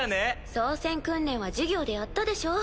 操船訓練は授業でやったでしょ？